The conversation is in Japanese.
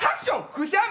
くしゃみ？